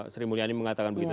sri mulyani mengatakan begitu